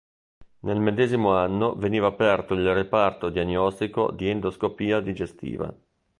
Nel medesimo anno veniva aperto il reparto diagnostico di endoscopia digestiva.